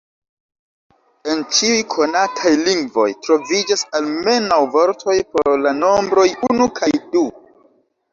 En ĉiuj konataj lingvoj troviĝas almenaŭ vortoj por la nombroj unu kaj du.